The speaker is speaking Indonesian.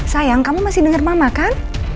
sayang kamu masih dengar mama kan